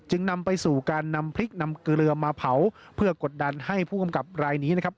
นำไปสู่การนำพริกนำเกลือมาเผาเพื่อกดดันให้ผู้กำกับรายนี้นะครับ